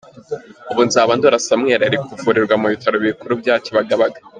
UbuNzabandora Samuel ari kuvurirwa mu bitaro bikuru bya Kibagabaga.